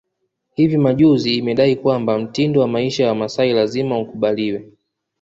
Hivi majuzi imedai kwamba mtindo wa maisha ya Wamasai lazima ukubaliwe